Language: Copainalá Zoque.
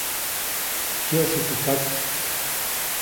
Kyäʼsu teʼ kak.